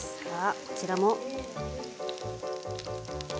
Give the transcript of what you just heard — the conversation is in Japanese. こちらも。